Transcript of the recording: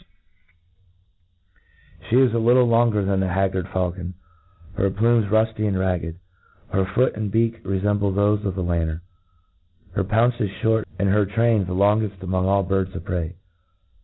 .' She 240 A TREATISE F She is a little longer than the haggard faiiU con ; her plumes rufty and ragged ♦ her fo5t and beak refemble thofe of the lanrter J her poun ces fhort, and her train the longed among all birds of prey.